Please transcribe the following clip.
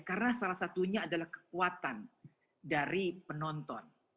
karena salah satunya adalah kekuatan dari penonton